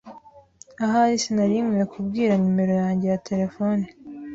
Ahari sinari nkwiye kubwira numero yanjye ya terefone.